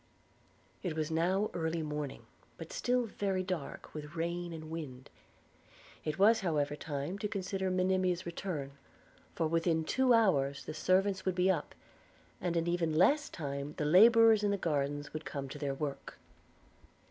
It was now early morning, but still very dark, with rain and wind. It was however time to consider of Monimia's return; for within two hours the servants would be up, and in even less time the labourers in the gardens would come to their work.